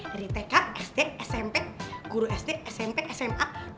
dari tk sd smp guru sd smp sma